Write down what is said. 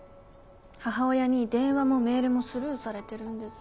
母親に電話もメールもスルーされてるんです。